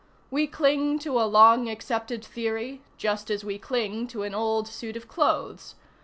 We cling to a long accepted theory, just as we cling to an old suit of clothes.